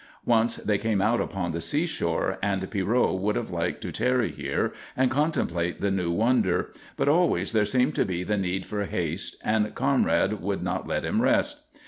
Once they came out upon the seashore, and Pierrot would have liked to tarry here and contemplate the new wonder, but always there seemed to be the need for haste and Conrad would not let him rest.